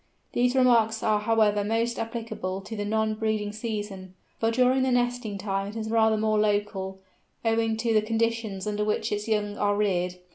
These remarks are however most applicable to the non breeding season; for during the nesting time it is rather more local, owing to the conditions under which its young are reared.